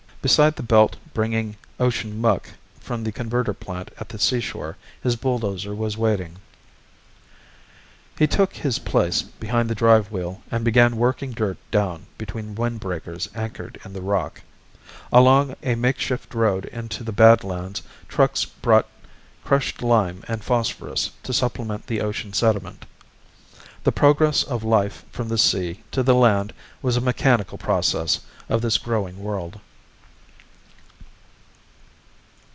Beside the belt bringing ocean muck from the converter plant at the seashore his bulldozer was waiting. He took his place behind the drive wheel and began working dirt down between windbreakers anchored in the rock. Along a makeshift road into the badlands trucks brought crushed lime and phosphorus to supplement the ocean sediment. The progress of life from the sea to the land was a mechanical process of this growing world.